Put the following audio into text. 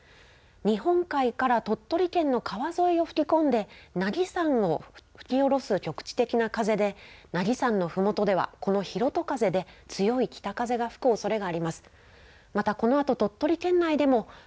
日本海から鳥取県の川沿いに吹き込んで、なぎ山の吹き降ろす局地的な風で、なぎ山のふもとでは、この広戸風で強い北風が吹くおそれがあります。